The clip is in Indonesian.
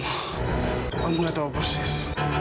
om nggak tahu persis